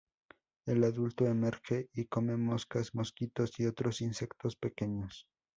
El adulto emerge y come moscas, mosquitos, y otros insectos pequeños.